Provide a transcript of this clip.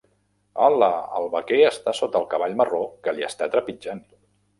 Hala! El vaquer està sota el cavall marró que li està trepitjant.